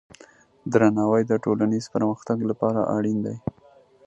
درناوی د ټولنیز پرمختګ لپاره اړین دی.